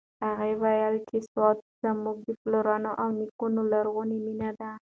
هغې وویل چې سوات زما د پلرونو او نیکونو لرغونې مېنه ده.